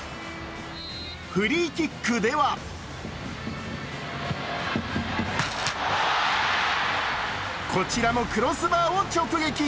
フリーキックではこちらもクロスバーを直撃。